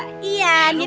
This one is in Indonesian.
nggak usah khawatir